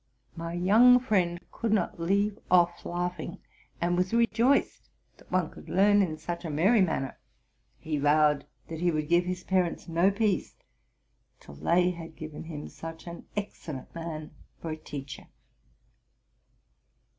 My young friend could not leave off laughing, and was rejoiced that one could learn in such a merry manner. He vowed that he would give his parents no peace until they had given him such an excellent man for a teacher.